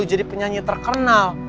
jadi penyanyi terkenal